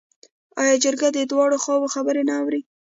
آیا جرګه د دواړو خواوو خبرې نه اوري؟